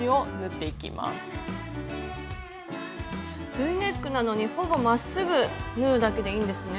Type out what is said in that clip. Ｖネックなのにほぼまっすぐ縫うだけでいいんですね。